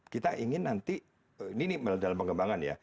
kita ingin nanti minimal dalam pengembangan ya